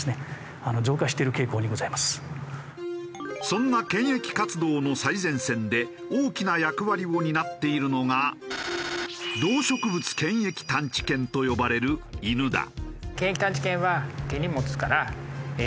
そんな検疫活動の最前線で大きな役割を担っているのが動植物検疫探知犬と呼ばれる犬だ。